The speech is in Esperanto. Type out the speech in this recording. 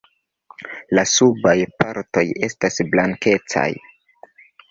La subaj partoj estas blankecaj.